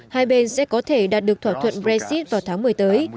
hai bên sẽ có thể đạt được thỏa thuận brexit vào tháng một mươi tới